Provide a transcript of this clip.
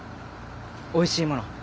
おいしいもの